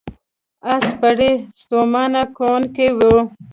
آس سپرلي ستومانه کوونکې وه.